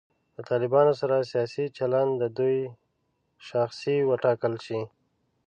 له طالبانو سره سیاسي چلند د دوی شاخصې وټاکل شي.